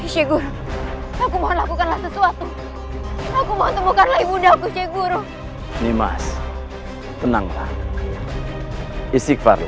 syeguru aku mohon lakukanlah sesuatu